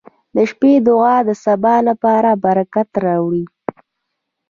• د شپې دعا د سبا لپاره برکت راوړي.